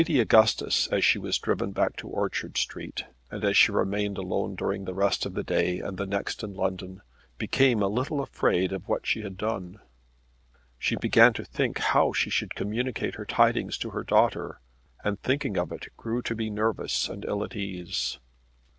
Lady Augustus as she was driven back to Orchard Street and as she remained alone during the rest of that day and the next in London, became a little afraid of what she had done. She began to think how she should communicate her tidings to her daughter, and thinking of it grew to be nervous and ill at ease.